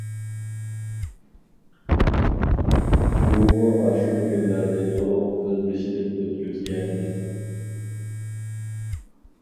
ئۇمۇ ئاشۇ كۈنلەرنى تولۇق ئۆز بېشىدىن ئۆتكۈزگەنىدى.